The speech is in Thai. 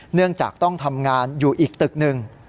เนื่องจากต้องทำงานอยู่อีกตึกหนึ่ง